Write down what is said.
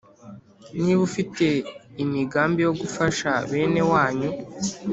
Niba ufite imigambi yo gufasha benewanyu